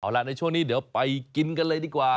เอาล่ะในช่วงนี้เดี๋ยวไปกินกันเลยดีกว่า